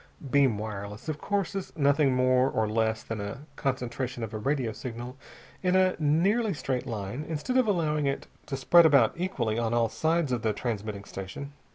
Beam wireless, of course, is nothing more or less than a concentration of a radio signal in a nearly straight line, instead of allowing it to spread about equally on all sides of the transmitting station.